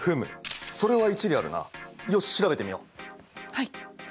はい。